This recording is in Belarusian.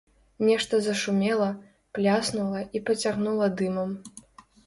Нешта зашумела, пляснула і пацягнула дымам.